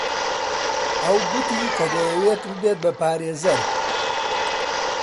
ئەو گوتی کە دەیەوێت ببێت بە پارێزەر.